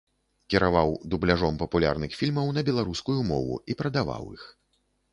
Кіраваў дубляжом папулярных фільмаў на беларускую мову і прадаваў іх.